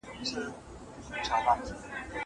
زه پرون کتابونه ليکم.